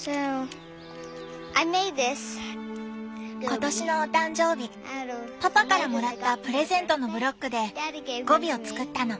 今年のお誕生日パパからもらったプレゼントのブロックでゴビを作ったの。